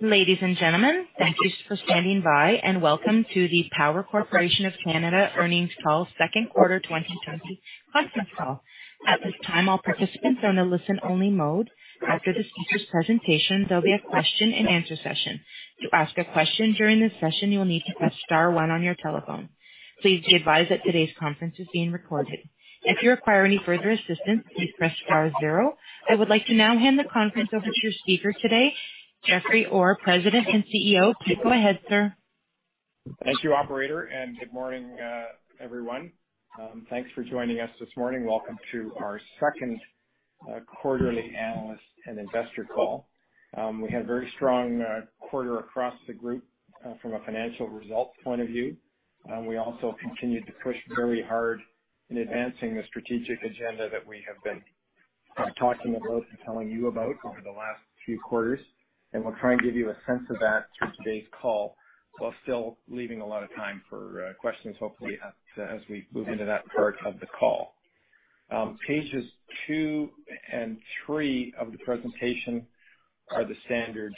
Ladies and gentlemen, thank you for standing by, and welcome to the Power Corp of Canada earnings call, second quarter 2020, Q2 call. At this time, all participants are in a listen-only mode. After the speaker's presentation, there'll be a question-and-answer session. To ask a question during this session, you'll need to press star one on your telephone. Please be advised that today's conference is being recorded. If you require any further assistance, please press star zero. I would like to now hand the conference over to your speaker today, Jeffrey Orr, President and CEO. Please go ahead, sir. Thank you, Operator, and good morning, everyone. Thanks for joining us this morning. Welcome to our second quarterly analyst and investor call. We had a very strong quarter across the group from a financial results point of view. We also continued to push very hard in advancing the strategic agenda that we have been talking about and telling you about over the last few quarters. And we'll try and give you a sense of that through today's call while still leaving a lot of time for questions, hopefully, as we move into that part of the call. Pages two and three of the presentation are the standard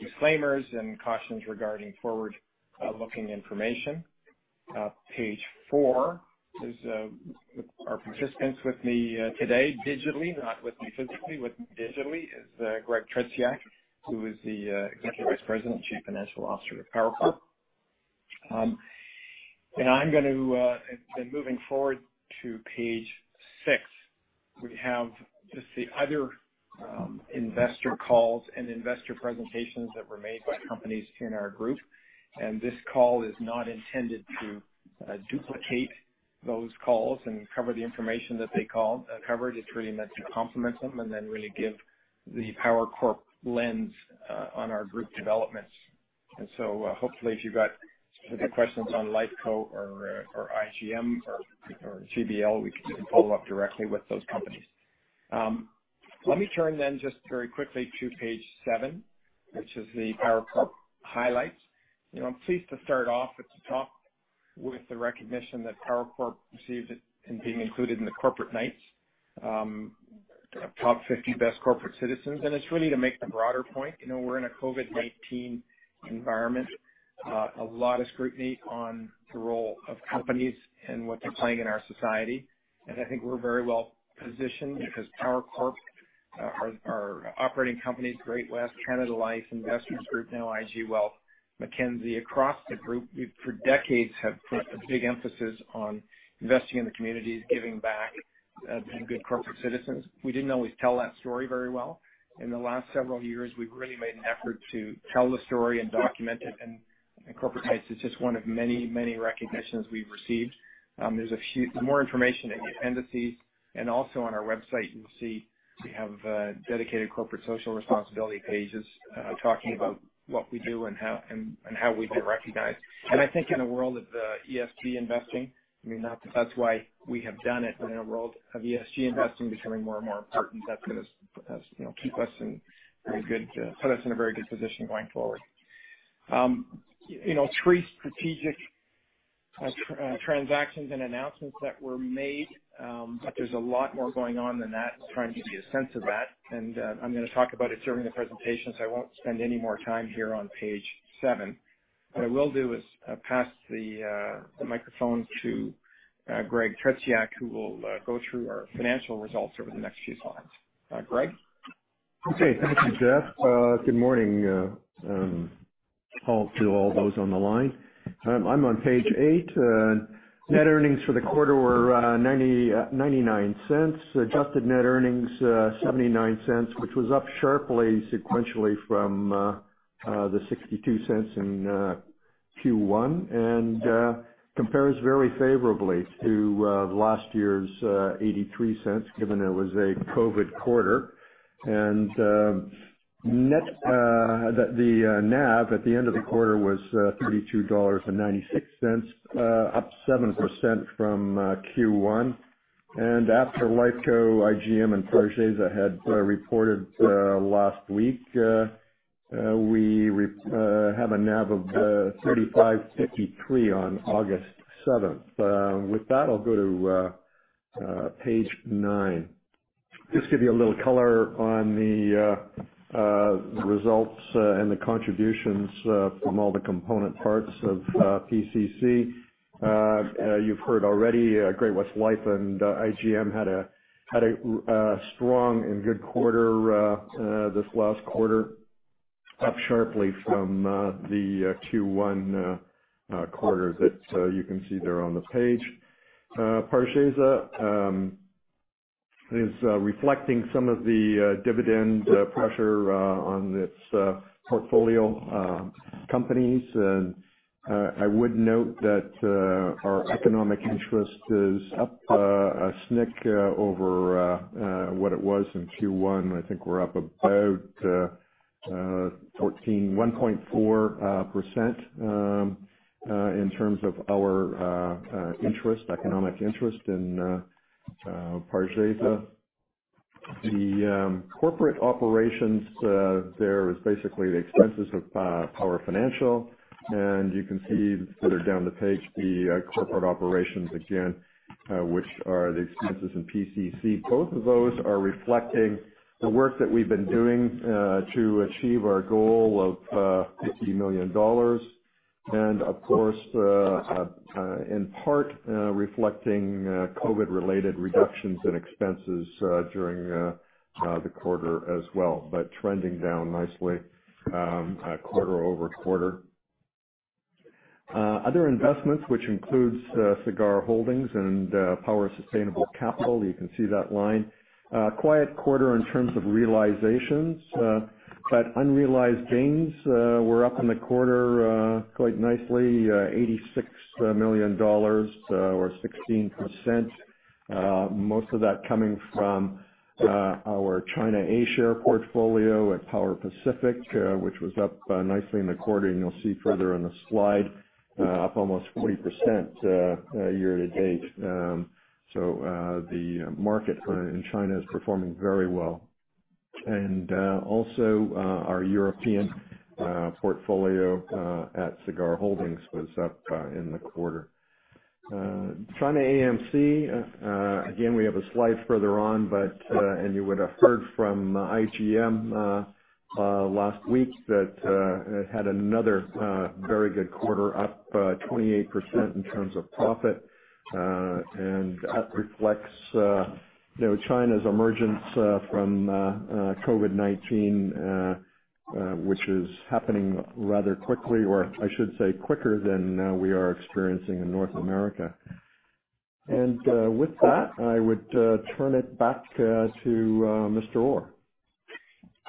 disclaimers and cautions regarding forward-looking information. Page four is our participants. With me today, digitally, not physically, is Greg Tretiak, who is the Executive Vice President and Chief Financial Officer of Power Corp. I'm going to then move forward to page six. We have just the other investor calls and investor presentations that were made by companies in our group. This call is not intended to duplicate those calls and cover the information that they covered. It's really meant to complement them and then really give the Power Corp lens on our group developments. So hopefully, if you've got specific questions on Lifeco or IGM or GBL, we can follow up directly with those companies. Let me turn then just very quickly to page seven, which is the Power Corp highlights. I'm pleased to start off at the top with the recognition that Power Corp received it in being included in the Corporate Knights Best 50 Corporate Citizens. It's really to make the broader point. We're in a COVID-19 environment, a lot of scrutiny on the role of companies and what they're playing in our society, and I think we're very well positioned because Power Corp, our operating companies, Great-West, Canada Life, Investors Group, now IG Wealth, Mackenzie, across the group, we for decades have put a big emphasis on investing in the communities, giving back to good corporate citizens. We didn't always tell that story very well. In the last several years, we've really made an effort to tell the story and document it, and Corporate Knights is just one of many, many recognitions we've received. There's more information in the appendices. Also on our website, you'll see we have dedicated corporate social responsibility pages talking about what we do and how we've been recognized. And I think in the world of ESG investing, I mean, not that that's why we have done it, but in a world of ESG investing becoming more and more important, that's going to keep us in a very good position going forward. Three strategic transactions and announcements that were made, but there's a lot more going on than that. I'm trying to give you a sense of that. And I'm going to talk about it during the presentation, so I won't spend any more time here on page seven. What I will do is pass the microphone to Greg Tretiak, who will go through our financial results over the next few slides. Greg? Okay. Thank you, Jeff. Good morning. I'll do all those on the line. I'm on page eight. Net earnings for the quarter were 0.99, adjusted net earnings 0.79, which was up sharply sequentially from the 0.62 in Q1 and compares very favorably to last year's 0.83, given it was a COVID quarter. And the NAV at the end of the quarter was 32.96 dollars, up 7% from Q1. And after Lifeco, IGM, and Pargesa had reported last week, we have a NAV of 35.53 on August 7th. With that, I'll go to page nine. Just give you a little color on the results and the contributions from all the component parts of PCC. You've heard already, Great-West Life and IGM had a strong and good quarter this last quarter, up sharply from the Q1 quarter that you can see there on the page. Pargesa is reflecting some of the dividend pressure on its portfolio companies. I would note that our economic interest is up a smidge over what it was in Q1. I think we're up about 1.4% in terms of our interest, economic interest in Pargesa. The corporate operations there is basically the expenses of Power Financial. You can see further down the page, the corporate operations again, which are the expenses in PCC. Both of those are reflecting the work that we've been doing to achieve our goal of 50 million dollars. Of course, in part reflecting COVID-related reductions in expenses during the quarter as well, but trending down nicely quarter over quarter. Other investments, which includes Sagard Holdings and Power Sustainable Capital, you can see that line. Quiet quarter in terms of realizations, but unrealized gains. We're up in the quarter quite nicely, 86 million dollars or 16%. Most of that coming from our China A-share portfolio at Power Pacific, which was up nicely in the quarter. You'll see further on the slide, up almost 40% year to date. The market in China is performing very well. Our European portfolio at Sagard Holdings was up in the quarter. China AMC, again, we have a slide further on, but you would have heard from IGM last week that it had another very good quarter, up 28% in terms of profit. That reflects China's emergence from COVID-19, which is happening rather quickly, or I should say quicker than we are experiencing in North America. With that, I would turn it back to Mr. Orr.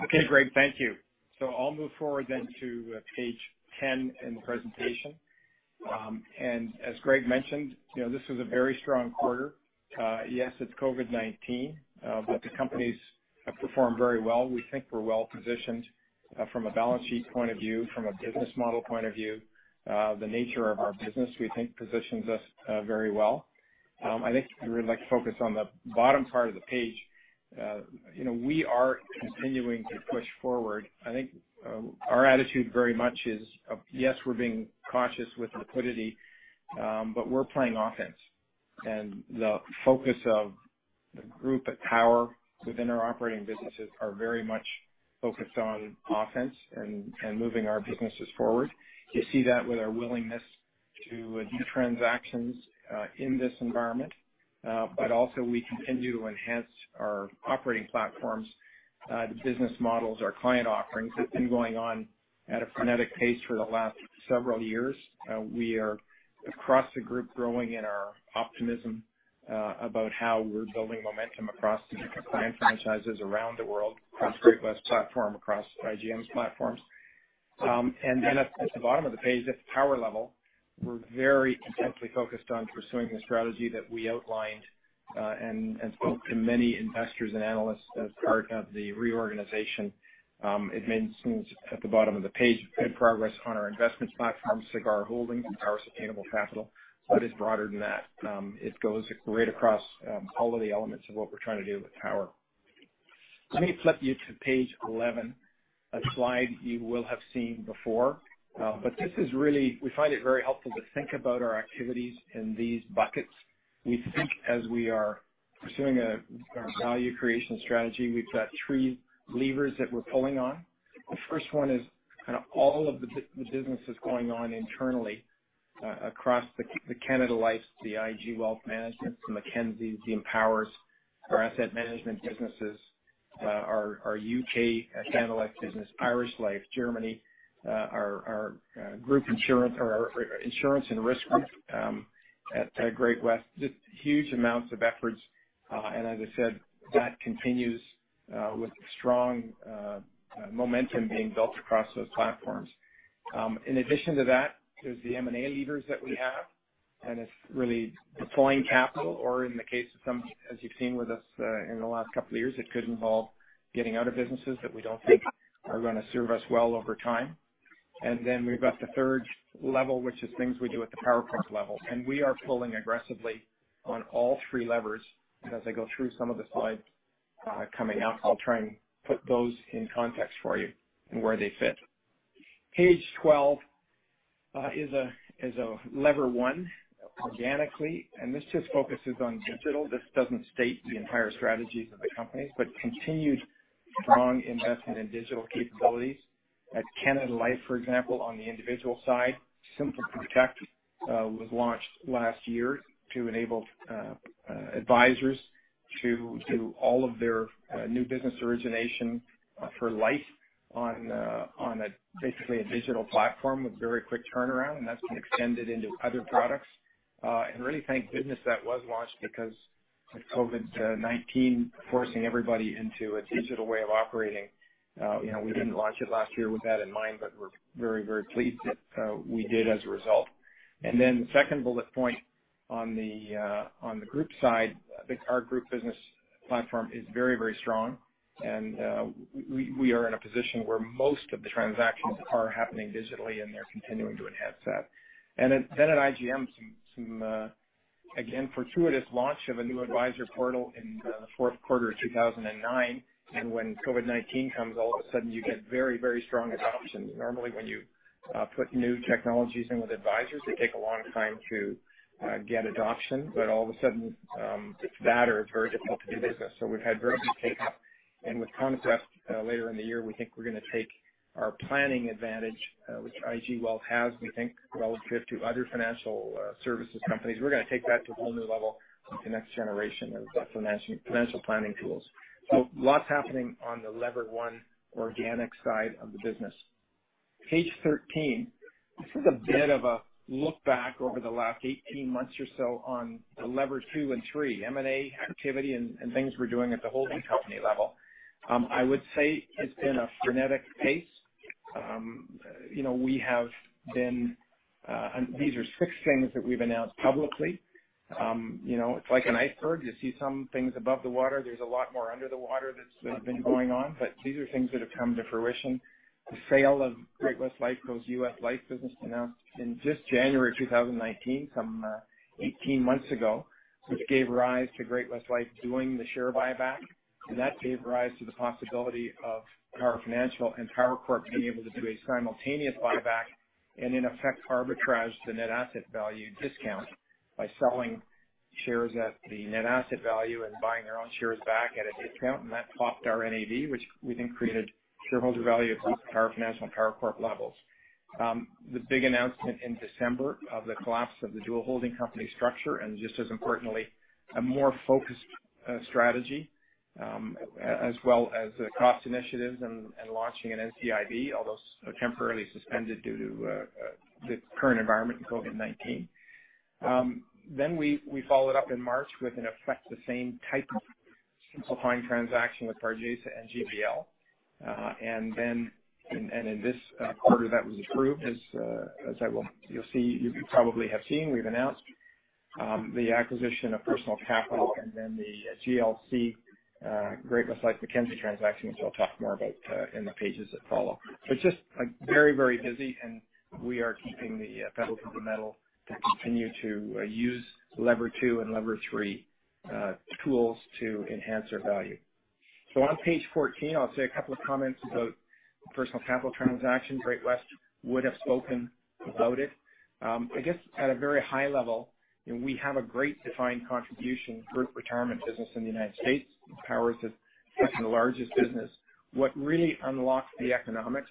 Okay, Greg, thank you, so I'll move forward then to page 10 in the presentation, and as Greg mentioned, this was a very strong quarter. Yes, it's COVID-19, but the companies have performed very well. We think we're well positioned from a balance sheet point of view, from a business model point of view. The nature of our business, we think, positions us very well. I think we would like to focus on the bottom part of the page. We are continuing to push forward. I think our attitude very much is, yes, we're being cautious with liquidity, but we're playing offense, and the focus of the group at Power within our operating businesses is very much focused on offense and moving our businesses forward. You see that with our willingness to do transactions in this environment. But also, we continue to enhance our operating platforms, the business models, our client offerings. It's been going on at a frenetic pace for the last several years. We are, across the group, growing in our optimism about how we're building momentum across different client franchises around the world, across Great-West platform, across IGM's platforms. And then at the bottom of the page, at the power level, we're very intensely focused on pursuing the strategy that we outlined and spoke to many investors and analysts as part of the reorganization. It mentions at the bottom of the page, good progress on our investment platform, Sagard Holdings, and Power Sustainable Capital. But it's broader than that. It goes right across all of the elements of what we're trying to do with Power. Let me flip you to page 11, a slide you will have seen before. But this is really, we find it very helpful to think about our activities in these buckets. We think as we are pursuing our value creation strategy, we've got three levers that we're pulling on. The first one is kind of all of the businesses going on internally across the Canada Life, the IG Wealth Management, the Mackenzies, the Empowers, our asset management businesses, our U.K. Canada Life business, Irish Life, Germany, our group insurance or insurance and risk group at Great-West. Just huge amounts of efforts. And as I said, that continues with strong momentum being built across those platforms. In addition to that, there's the M&A levers that we have. And it's really deploying capital, or in the case of some, as you've seen with us in the last couple of years, it could involve getting other businesses that we don't think are going to serve us well over time. And then we've got the third level, which is things we do at the Power Corp level. And we are pulling aggressively on all three levers. And as I go through some of the slides coming up, I'll try and put those in context for you and where they fit. Page 12 is a lever one organically. And this just focuses on digital. This doesn't state the entire strategies of the companies, but continued strong investment in digital capabilities at Canada Life, for example, on the individual side. SimpleProtect was launched last year to enable advisors to do all of their new business origination for life on basically a digital platform with very quick turnaround, and that's been extended into other products, and really the business that was launched because of COVID-19 forcing everybody into a digital way of operating. We didn't launch it last year with that in mind, but we're very, very pleased that we did as a result, and then the second bullet point on the group side, our group business platform is very, very strong, and we are in a position where most of the transactions are happening digitally, and they're continuing to enhance that, and then at IGM, somewhat fortuitous launch of a new advisor portal in the fourth quarter of 2019, and when COVID-19 comes, all of a sudden, you get very, very strong adoption. Normally, when you put new technologies in with advisors, it takes a long time to get adoption. But all of a sudden, it's bad or it's very difficult to do business. So we've had very good takeoff. With Conquest later in the year, we think we're going to take our planning advantage, which IG Wealth has, we think, relative to other financial services companies, we're going to take that to a whole new level with the next generation of financial planning tools. Lots happening on the lever one organic side of the business. Page 13, this is a bit of a look back over the last 18 months or so on the lever two and three, M&A activity and things we're doing at the holding company level. I would say it's been a frenetic pace. These are six things that we've announced publicly. It's like an iceberg. You see some things above the water. There's a lot more under the water that's been going on, but these are things that have come to fruition. The sale of Great-West Life's U.S. life business was announced in just January 2019, some 18 months ago, which gave rise to Great-West Life doing the share buyback. And that gave rise to the possibility of Power Financial and Power Corp being able to do a simultaneous buyback and, in effect, arbitrage the net asset value discount by selling shares at the net asset value and buying their own shares back at a discount. And that popped our NAV, which we think created shareholder value at both Power Financial and Power Corp levels. The big announcement in December of the collapse of the dual holding company structure and, just as importantly, a more focused strategy, as well as the cost initiatives and launching an NCIB, although temporarily suspended due to the current environment and COVID-19, then we followed up in March with, in effect, the same type of simplifying transaction with Pargesa and GBL, and then in this quarter, that was approved, as you'll probably have seen, we've announced the acquisition of Personal Capital and then the GLC, Great-West Life Mackenzie transaction, which I'll talk more about in the pages that follow, but just very, very busy, and we are keeping the pedal to the metal to continue to use lever two and lever three tools to enhance our value, so on page 14, I'll say a couple of comments about Personal Capital transactions. Great-West would have spoken about it. I guess at a very high level, we have a great defined contribution group retirement business in the United States. Power is the second largest business. What really unlocks the economics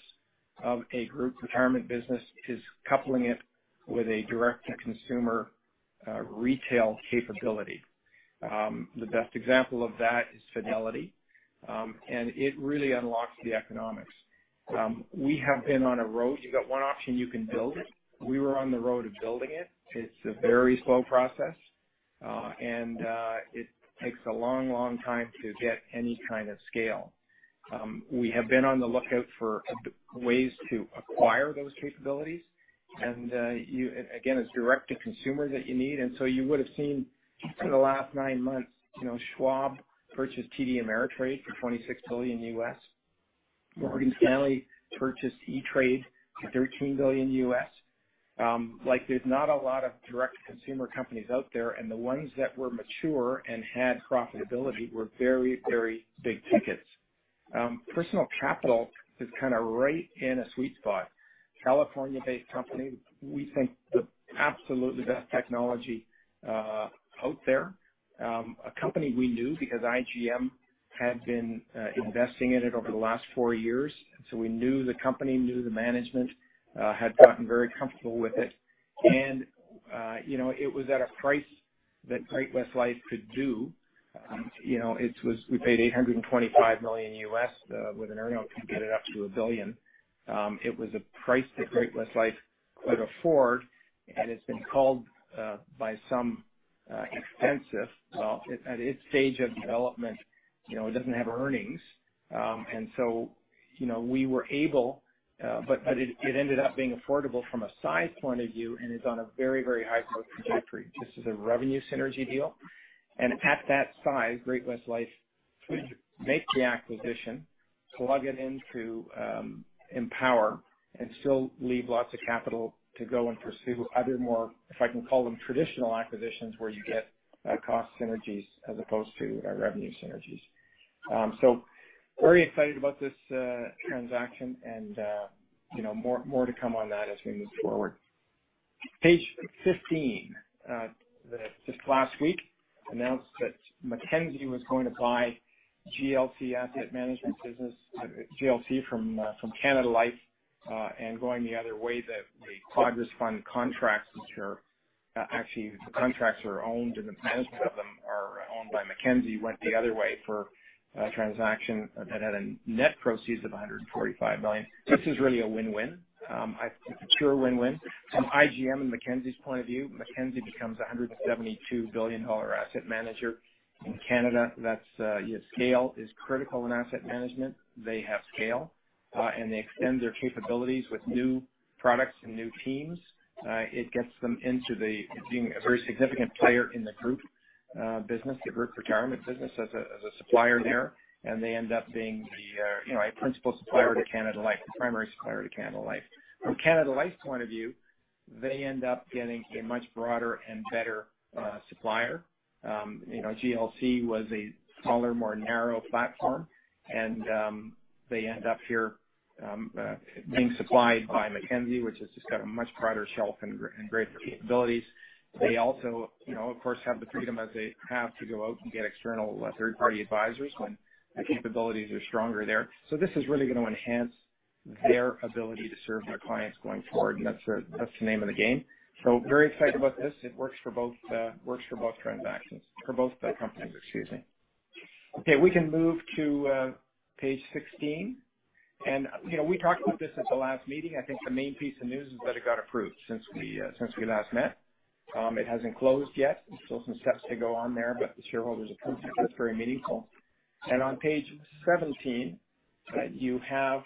of a group retirement business is coupling it with a direct-to-consumer retail capability. The best example of that is Fidelity, and it really unlocks the economics. We have been on a road. You've got one option: you can build. We were on the road of building it. It's a very slow process, and it takes a long, long time to get any kind of scale. We have been on the lookout for ways to acquire those capabilities, and again, it's direct-to-consumer that you need, and so you would have seen in the last nine months, Schwab purchased TD Ameritrade for $26 billion. Morgan Stanley purchased E*TRADE for $13 billion. There's not a lot of direct-to-consumer companies out there. And the ones that were mature and had profitability were very, very big tickets. Personal Capital is kind of right in a sweet spot. California-based company, we think the absolutely best technology out there. A company we knew because IGM had been investing in it over the last four years. And so we knew the company, knew the management, had gotten very comfortable with it. And it was at a price that Great-West Life could do. We paid 825 million with an earnout to get it up to a billion. It was a price that Great-West Life could afford. And it's been called by some expensive. Well, at its stage of development, it doesn't have earnings. And so we were able but it ended up being affordable from a size point of view and is on a very, very high growth trajectory. This is a revenue synergy deal. And at that size, Great-West Life could make the acquisition, plug it into Empower, and still leave lots of capital to go and pursue other more, if I can call them, traditional acquisitions where you get cost synergies as opposed to revenue synergies. So very excited about this transaction. And more to come on that as we move forward. Page 15, just last week, announced that Mackenzie was going to buy GLC Asset Management business, GLC from Canada Life, and going the other way that the Quadrus fund contracts, which are actually the contracts are owned and the management of them are owned by Mackenzie, went the other way for a transaction that had a net proceeds of 145 million. This is really a win-win. It's a pure win-win. From IGM and Mackenzie's point of view, Mackenzie becomes a 172 billion dollar asset manager in Canada. You have scale is critical in asset management. They have scale, and they extend their capabilities with new products and new teams. It gets them into being a very significant player in the group business, the group retirement business as a supplier there, and they end up being a principal supplier to Canada Life, the primary supplier to Canada Life. From Canada Life's point of view, they end up getting a much broader and better supplier. GLC was a smaller, more narrow platform, and they end up here being supplied by Mackenzie, which has just got a much broader shelf and greater capabilities. They also, of course, have the freedom as they have to go out and get external third-party advisors when the capabilities are stronger there, so this is really going to enhance their ability to serve their clients going forward, and that's the name of the game, so very excited about this. It works for both transactions, for both companies, excuse me. Okay. We can move to page 16, and we talked about this at the last meeting. I think the main piece of news is that it got approved since we last met. It hasn't closed yet. There's still some steps to go on there. But the shareholders approved it. That's very meaningful. And on page 17, you have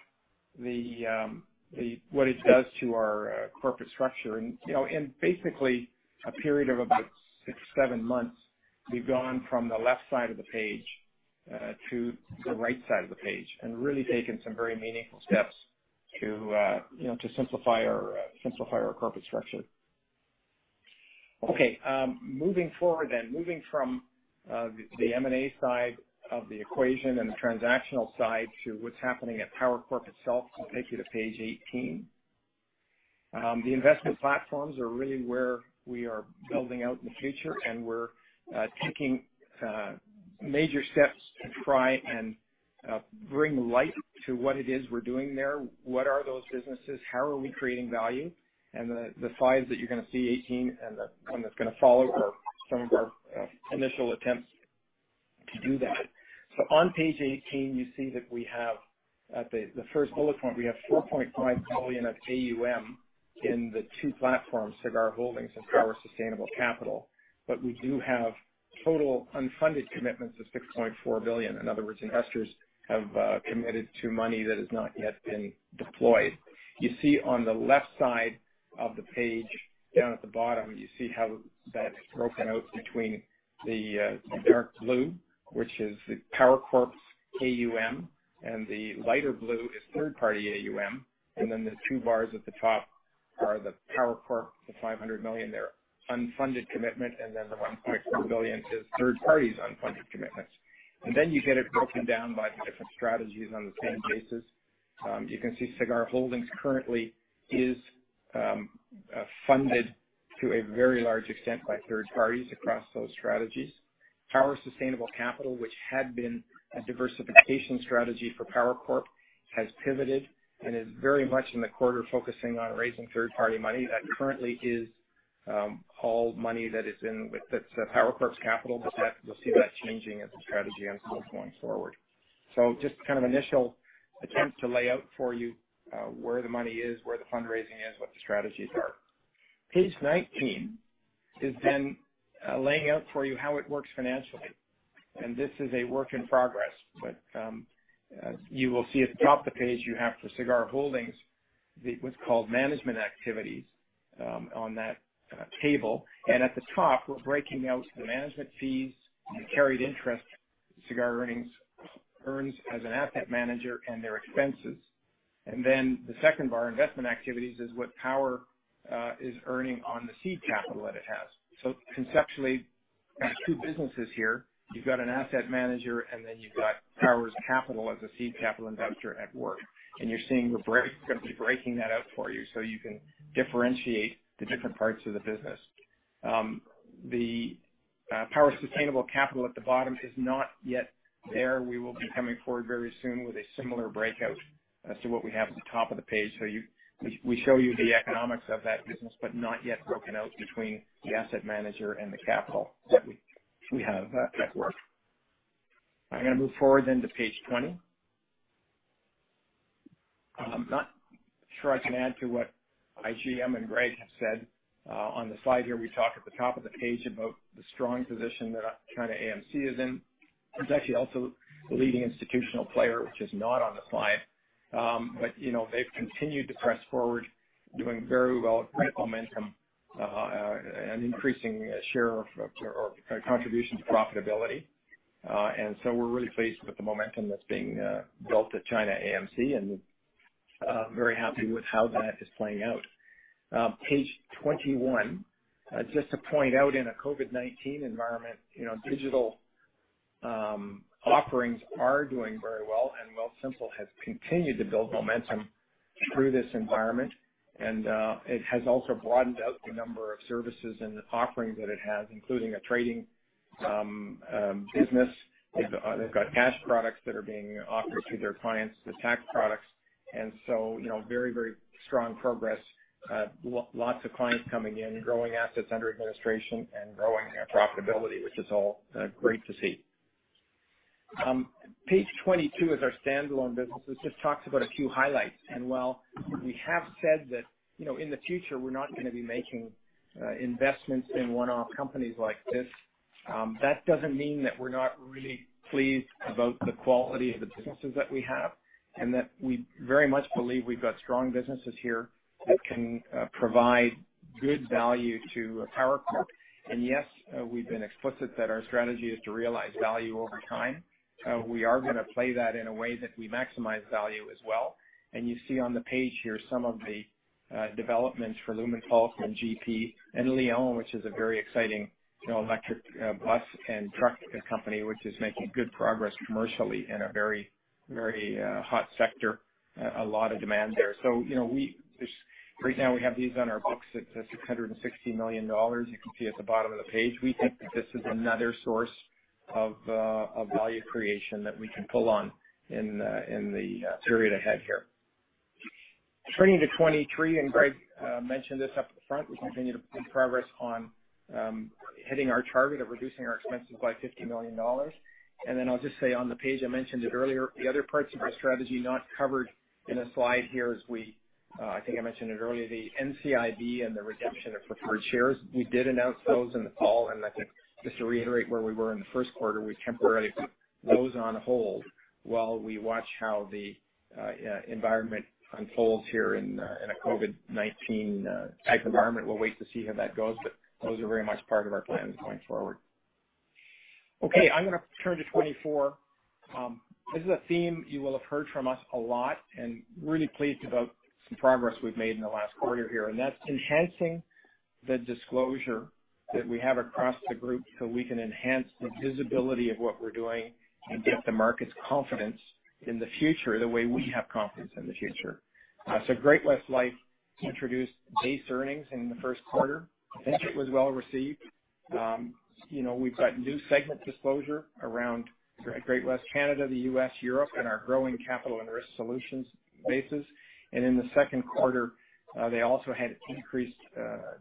what it does to our corporate structure. And basically, a period of about six, seven months, we've gone from the left side of the page to the right side of the page and really taken some very meaningful steps to simplify our corporate structure. Okay. Moving forward then, moving from the M&A side of the equation and the transactional side to what's happening at Power Corp itself, I'll take you to page 18. The investment platforms are really where we are building out in the future. And we're taking major steps to try and bring light to what it is we're doing there. What are those businesses? How are we creating value? And the five that you're going to see, 18 and the one that's going to follow are some of our initial attempts to do that. So on page 18, you see that we have at the first bullet point, we have 4.5 billion of AUM in the two platforms, Sagard Holdings and Power Sustainable Capital. But we do have total unfunded commitments of 6.4 billion. In other words, investors have committed to money that has not yet been deployed. You see on the left side of the page down at the bottom, you see how that's broken out between the dark blue, which is the Power Corp AUM, and the lighter blue is third-party AUM. And then the two bars at the top are the Power Corp, the 500 million, their unfunded commitment, and then the 1.4 billion is third-party's unfunded commitments. And then you get it broken down by the different strategies on the same basis. You can see Sagard Holdings currently is funded to a very large extent by third parties across those strategies. Power Sustainable Capital, which had been a diversification strategy for Power Corp, has pivoted and is very much in the quarter focusing on raising third-party money that currently is all money that is in, that's Power Corp's capital. But you'll see that changing as the strategy unfolds going forward. So just kind of initial attempt to lay out for you where the money is, where the fundraising is, what the strategies are. Page 19 is then laying out for you how it works financially. And this is a work in progress. But you will see at the top of the page, you have for Sagard Holdings what's called management activities on that table. At the top, we're breaking out the management fees, the carried interest, Sagard earnings as an asset manager, and their expenses. Then the second bar, investment activities, is what Power is earning on the seed capital that it has. Conceptually, there are two businesses here. You've got an asset manager, and then you've got Power's capital as a seed capital investor at work. You're seeing we're going to be breaking that out for you so you can differentiate the different parts of the business. The Power Sustainable Capital at the bottom is not yet there. We will be coming forward very soon with a similar breakout as to what we have at the top of the page. We show you the economics of that business, but not yet broken out between the asset manager and the capital that we have at work. I'm going to move forward then to page 20. I'm not sure I can add to what IGM and Greg have said. On the slide here, we talk at the top of the page about the strong position that China AMC is in. It's actually also a leading institutional player, which is not on the slide, but they've continued to press forward, doing very well at great momentum and increasing share of contribution to profitability, and so we're really pleased with the momentum that's being built at China AMC and very happy with how that is playing out. Page 21, just to point out in a COVID-19 environment, digital offerings are doing very well, and Wealthsimple has continued to build momentum through this environment, and it has also broadened out the number of services and offerings that it has, including a trading business. They've got cash products that are being offered to their clients, the tax products, and so very, very strong progress. Lots of clients coming in, growing assets under administration and growing their profitability, which is all great to see. Page 22 is our standalone business. This just talks about a few highlights, and while we have said that in the future, we're not going to be making investments in one-off companies like this, that doesn't mean that we're not really pleased about the quality of the businesses that we have and that we very much believe we've got strong businesses here that can provide good value to a Power Corp, and yes, we've been explicit that our strategy is to realize value over time. We are going to play that in a way that we maximize value as well. You see on the page here some of the developments for Lumenpulse and GP and Lion, which is a very exciting electric bus and truck company, which is making good progress commercially in a very, very hot sector. A lot of demand there. So right now, we have these on our books at 660 million dollars. You can see at the bottom of the page. We think that this is another source of value creation that we can pull on in the period ahead here. Turning to 2023, and Greg mentioned this up at the front, we continue to make progress on hitting our target of reducing our expenses by 50 million dollars. Then I'll just say on the page, I mentioned it earlier, the other parts of our strategy not covered in a slide here. As I think I mentioned it earlier, the NCIB and the redemption of preferred shares. We did announce those in the fall. I think just to reiterate where we were in the first quarter, we temporarily put those on hold while we watch how the environment unfolds here in a COVID-19 type environment. We'll wait to see how that goes. But those are very much part of our plans going forward. Okay. I'm going to turn to 24. This is a theme you will have heard from us a lot and really pleased about some progress we've made in the last quarter here. That's enhancing the disclosure that we have across the group, so we can enhance the visibility of what we're doing and get the market's confidence in the future the way we have confidence in the future. Great-West Life introduced base earnings in the first quarter. I think it was well received. We've got new segment disclosure around Great-West Canada, the U.S., Europe, and our growing Capital and Risk Solutions business. In the second quarter, they also had increased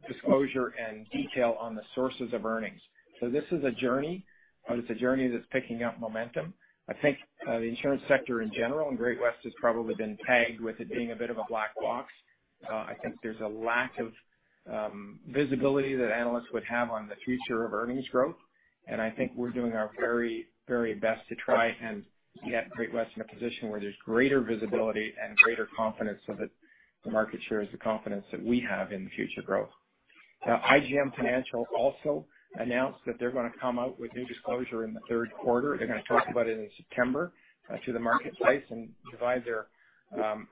disclosure and detail on the sources of earnings. This is a journey, but it's a journey that's picking up momentum. I think the insurance sector in general and Great-West has probably been tagged with it being a bit of a black box. I think there's a lack of visibility that analysts would have on the future of earnings growth. I think we're doing our very, very best to try and get Great-West in a position where there's greater visibility and greater confidence so that the market shares the confidence that we have in future growth. Now, IGM Financial also announced that they're going to come out with new disclosure in the third quarter. They're going to talk about it in September to the marketplace and divide their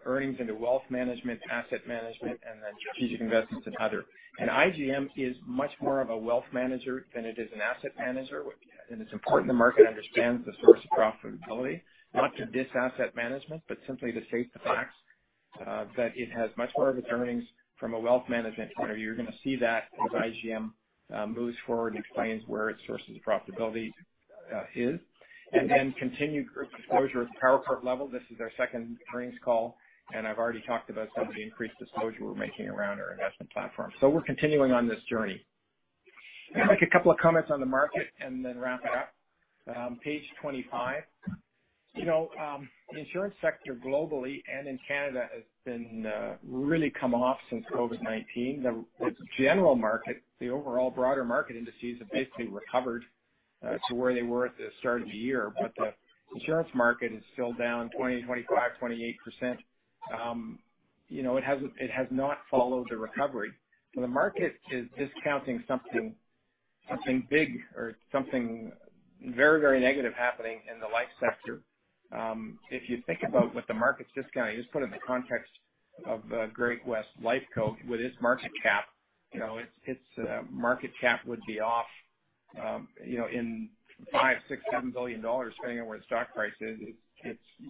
earnings into Wealth Management, Asset Management, and then Strategic Investments and Other. IGM is much more of a wealth manager than it is an asset manager. It's important the market understands the source of profitability, not to diss asset management, but simply to state the facts that it has much more of its earnings from a Wealth Management point of view. You're going to see that as IGM moves forward and explains where its sources of profitability is. We continue disclosure at the Power Corp level. This is their second earnings call. I've already talked about some of the increased disclosure we're making around our investment platform. We're continuing on this journey. I'll make a couple of comments on the market and then wrap it up. Page 25. The insurance sector globally and in Canada has really come off since COVID-19. The general market, the overall broader market indices, have basically recovered to where they were at the start of the year. But the insurance market is still down 20%, 25%, 28%. It has not followed the recovery. The market is discounting something big or something very, very negative happening in the life sector. If you think about what the market's discounting, just put it in the context of Great-West Life with its market cap. Its market cap would be off in 5, 6, 7 billion dollars depending on where the stock price is.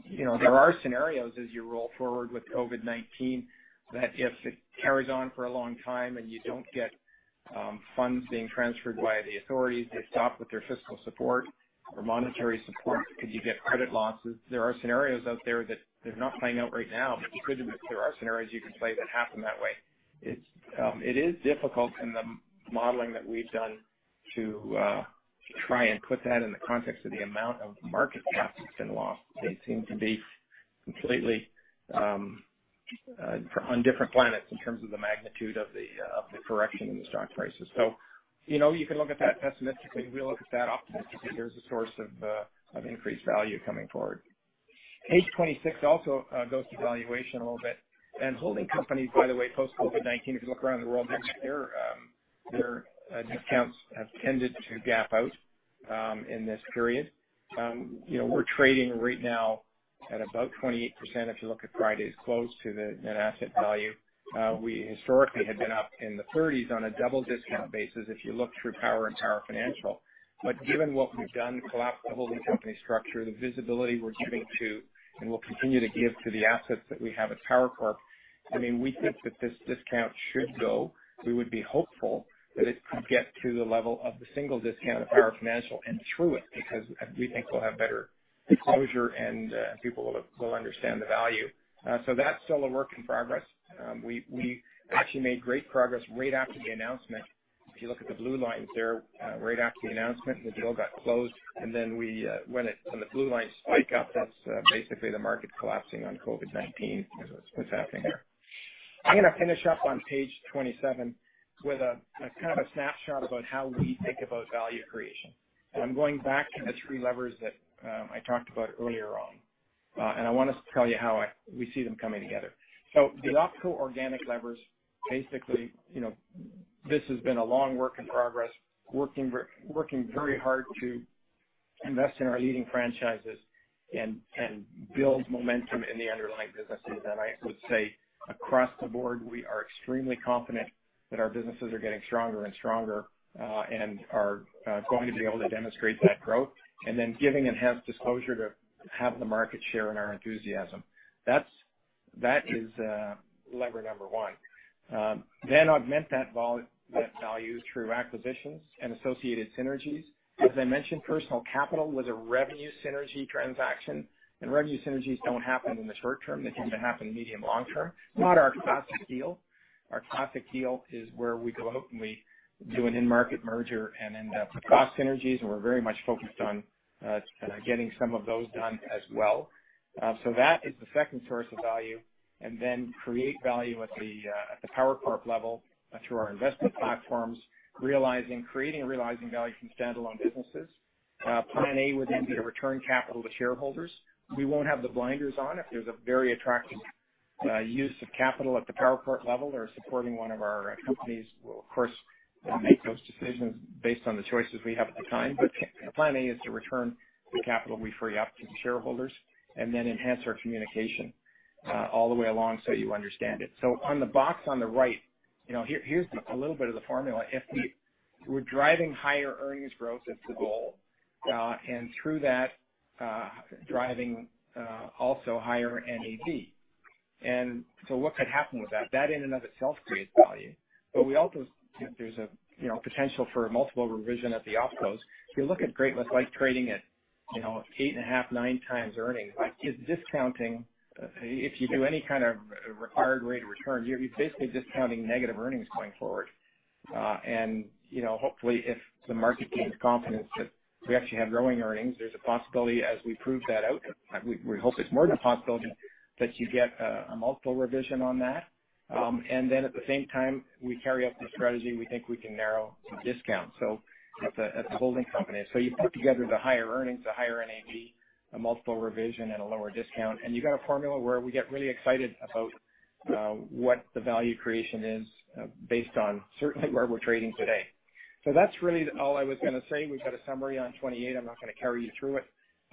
There are scenarios as you roll forward with COVID-19 that if it carries on for a long time and you don't get funds being transferred by the authorities, they stop with their fiscal support or monetary support because you get credit losses. There are scenarios out there that they're not playing out right now, but there are scenarios you can play that happen that way. It is difficult in the modeling that we've done to try and put that in the context of the amount of market cap that's been lost. They seem to be completely on different planets in terms of the magnitude of the correction in the stock prices. So you can look at that pessimistically. We look at that optimistically. There's a source of increased value coming forward. Page 26 also goes to valuation a little bit. And holding companies, by the way, post-COVID-19, if you look around the world next year, their discounts have tended to gap out in this period. We're trading right now at about 28% if you look at Friday's close to the net asset value. We historically had been up in the 30s% on a double discount basis if you look through Power and Power Financial. But given what we've done, the collapsed holding company structure, the visibility we're giving to, and we'll continue to give to the assets that we have at Power Corp, I mean, we think that this discount should go. We would be hopeful that it could get to the level of the single discount at Power Financial and through it because we think we'll have better disclosure and people will understand the value. So that's still a work in progress. We actually made great progress right after the announcement. If you look at the blue lines there, right after the announcement, the deal got closed. And then when the blue lines spike up, that's basically the market collapsing on COVID-19. That's what's happening here. I'm going to finish up on page 27 with kind of a snapshot about how we think about value creation. And I'm going back to the three levers that I talked about earlier on. And I want to tell you how we see them coming together. So the optimal organic levers, basically, this has been a long work in progress, working very hard to invest in our leading franchises and build momentum in the underlying businesses. I would say across the board, we are extremely confident that our businesses are getting stronger and stronger and are going to be able to demonstrate that growth. Then giving enhanced disclosure to have the market share and our enthusiasm. That is lever number one. Then augment that value through acquisitions and associated synergies. As I mentioned, Personal Capital was a revenue synergy transaction. And revenue synergies don't happen in the short term. They tend to happen medium-long term. Not our classic deal. Our classic deal is where we go out and we do an in-market merger and end up with cost synergies. And we're very much focused on getting some of those done as well. That is the second source of value. Then create value at the Power Corp level through our investment platforms, creating and realizing value from standalone businesses. Plan A would then be to return capital to shareholders. We won't have the blinders on. If there's a very attractive use of capital at the Power Corp level or supporting one of our companies, we'll, of course, make those decisions based on the choices we have at the time. But the plan A is to return the capital we free up to the shareholders and then enhance our communication all the way along so you understand it. So on the box on the right, here's a little bit of the formula. If we were driving higher earnings growth, that's the goal. And through that, driving also higher NAV. And so what could happen with that? That in and of itself creates value. But there's a potential for multiple revision at the multiples. If you look at Great-West Life trading at 8.5-9 times earnings, that is discounting. If you do any kind of required rate of return, you're basically discounting negative earnings going forward. And hopefully, if the market gains confidence that we actually have growing earnings, there's a possibility, as we prove that out, we hope it's more than a possibility, that you get a multiple revision on that. And then at the same time, we carry out the strategy we think we can narrow the discount at the holding company. So you put together the higher earnings, the higher NAV, a multiple revision, and a lower discount. And you got a formula where we get really excited about what the value creation is based on certainly where we're trading today. So that's really all I was going to say. We've got a summary on 28. I'm not going to carry you through it.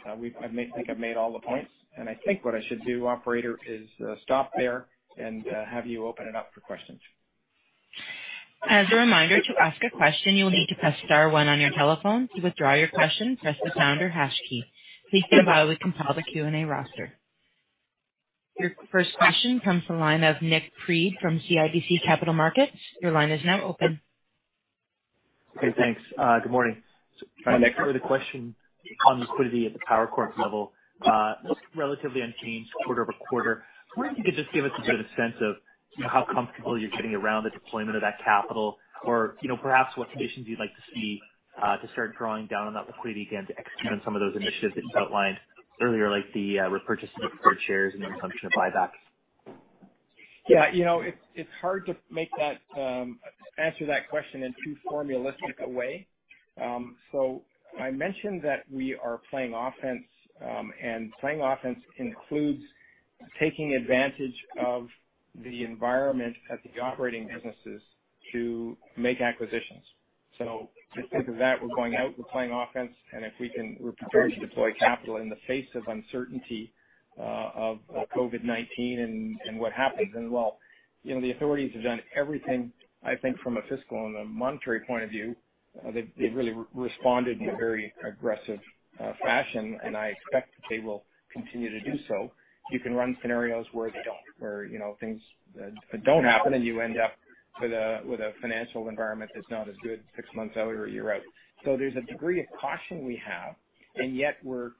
I think I've made all the points. I think what I should do, Operator, is stop there and have you open it up for questions. As a reminder, to ask a question, you'll need to press star one on your telephone. To withdraw your question, press the pound or hash key. Please be advised, we compile the Q&A roster. Your first question comes from the line of Nik Priebe from CIBC Capital Markets. Your line is now open. Okay. Thanks. Good morning. I'm trying to make sure the question on liquidity at the Power Corp level looked relatively unchanged quarter over quarter. I wonder if you could just give us a bit of a sense of how comfortable you're getting around the deployment of that capital or perhaps what conditions you'd like to see to start drawing down on that liquidity again to execute on some of those initiatives that you outlined earlier, like the repurchase of the preferred shares and the resumption of buybacks? Yeah. It's hard to answer that question in too formalistic a way. So I mentioned that we are playing offense. And playing offense includes taking advantage of the environment at the operating businesses to make acquisitions. So to think of that, we're going out, we're playing offense. And if we can prepare to deploy capital in the face of uncertainty of COVID-19 and what happens, then, well, the authorities have done everything, I think, from a fiscal and a monetary point of view. They've really responded in a very aggressive fashion. And I expect that they will continue to do so. You can run scenarios where they don't, where things don't happen and you end up with a financial environment that's not as good six months out or a year out. So there's a degree of caution we have. And yet we're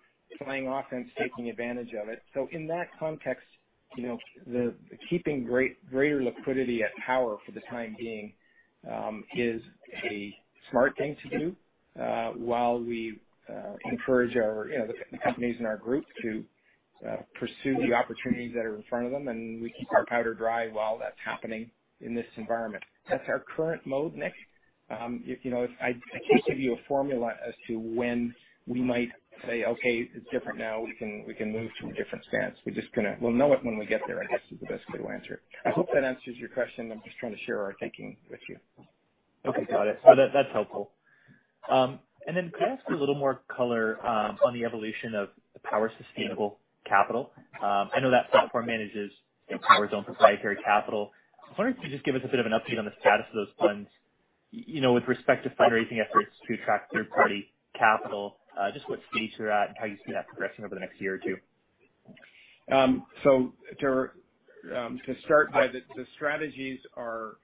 playing offense, taking advantage of it. So in that context, keeping greater liquidity at Power for the time being is a smart thing to do while we encourage the companies in our group to pursue the opportunities that are in front of them. And we keep our powder dry while that's happening in this environment. That's our current mode, Nik. I can't give you a formula as to when we might say, "Okay, it's different now. We can move to a different stance." We'll know it when we get there, I guess, is the best way to answer it. I hope that answers your question. I'm just trying to share our thinking with you. Okay. Got it. That's helpful. And then could I ask you a little more color on the evolution of Power Sustainable Capital? I know that platform manages Power's own proprietary capital. I was wondering if you could just give us a bit of an update on the status of those funds with respect to fundraising efforts to attract third-party capital, just what stage they're at and how you see that progressing over the next year or two. So, to start, the strategies are